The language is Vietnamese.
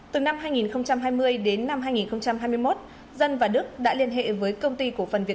từ năm hai nghìn hai mươi đến năm hai nghìn hai mươi một dân và đức đã liên hệ với công ty của phân viên